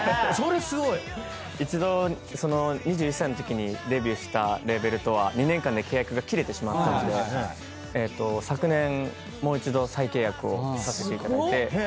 一度その２１歳のときにデビューしたレーベルとは２年間で契約が切れてしまったので昨年もう一度再契約をさせていただいて。